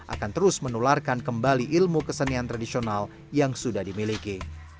akan terus menularkan kembali ilmu kesenian tradisional yang sudah dimiliki